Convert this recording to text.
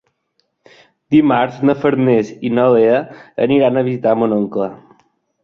Dimarts na Farners i na Lea aniran a visitar mon oncle.